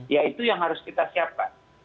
ya itu yang harus kita siapkan